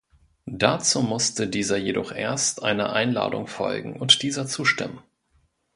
Dazu musste dieser jedoch erst einer Einladung folgen und dieser zustimmen.